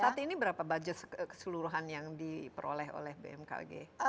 saat ini berapa budget keseluruhan yang diperoleh oleh bmkg